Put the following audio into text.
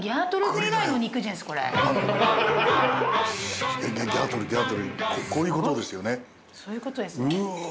そういうことですね。